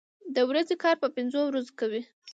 د ورځې کار په پنځو ورځو کوي.